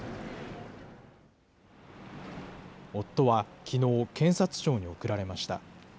夫はきのう、検察庁に送られました。